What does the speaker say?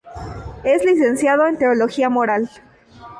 Es licenciado en teología moral.